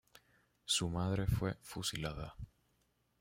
Su madre fue fusilada.